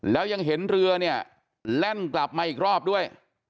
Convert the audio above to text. แล้วยังเห็นเรือเนี่ยแล่นกลับมาอีกรอบด้วย